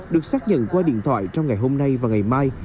được xác nhận qua điện thoại trong ngày hôm nay và ngày mai